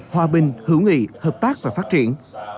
hòa bình hữu nghị hợp tác và phát triển